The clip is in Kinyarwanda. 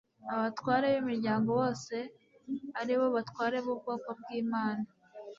abatware b imiryango bose ari bo batware bubwoko bw 'imana